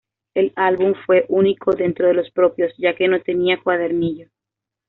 El álbum fue único dentro de los propios, ya que no tenía cuadernillo.